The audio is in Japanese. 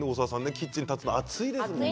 キッチンに立つのは暑いですよね。